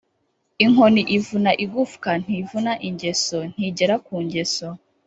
Inkoni ivuna igufwa ntivuna ingeso ( ntigera ku ngeso).